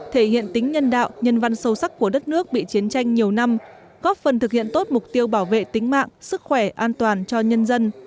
thể hiện tính nhân đạo nhân văn sâu sắc của đất nước bị chiến tranh nhiều năm góp phần thực hiện tốt mục tiêu bảo vệ tính mạng sức khỏe an toàn cho nhân dân